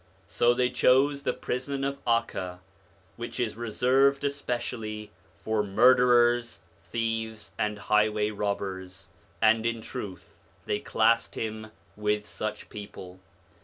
So they chose the prison of Acca, which is reserved especiaUy for murderers, thieves, and highway robbers, and in truth they classed' him with such people.